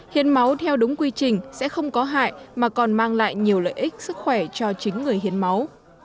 hiến máu theo đúng quy trình sẽ không có hại mà còn mang lại nhiều lợi ích sức khỏe cho chính người hiến máu